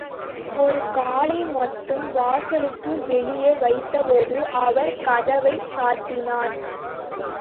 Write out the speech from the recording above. ஒரு காலை மட்டும் வாசலுக்கு வெளியே வைத்தபோது, அவர் கதவைச் சாத்தினார்.